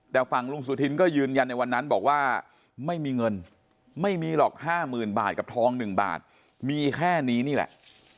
แต่ฝั่งลุงสุธินก็ยืนยันในวันนั้นบอกว่าไม่มีเงินไม่มีหรอก๕๐๐๐บาทกับทอง๑บาทมีแค่นี้นี่แหละ